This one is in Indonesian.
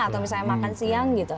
atau misalnya makan siang gitu